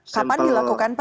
kapan dilakukan pak